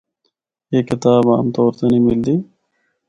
اے کتاب عام طور تے نیں ملدی۔